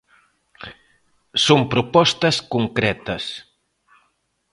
Son propostas concretas.